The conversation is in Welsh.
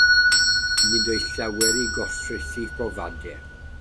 Nid oes llawer yn goroesi'r profiad.